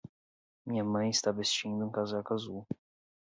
Minha mãe está vestindo um casaco azul.